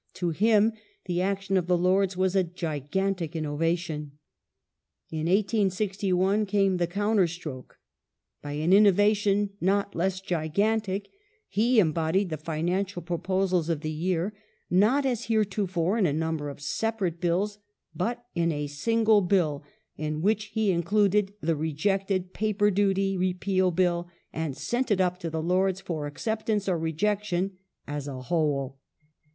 To him the action of the Lords was a " gigantic innovation ". In 1861 came the counter stroke. By an innovation not less gigantic, he embodied the financial pro posals of the year not as heretofore, in a number of separate Bills, but in a single Bill, in which he included the rejected Paper Duty Repeal Bill, and sent it up to the Lords for acceptance or rejection as a whole.